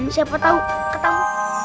siapa tau ketau